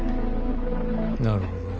なるほどな。